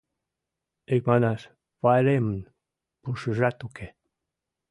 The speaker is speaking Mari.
Икманаш, пайремын пушыжат уке.